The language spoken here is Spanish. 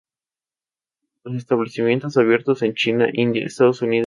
Los establecimientos abiertos en China, India y Estados Unidos se cerraron muy rápidamente.